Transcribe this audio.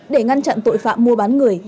để ngăn chặn tội phạm mua bán người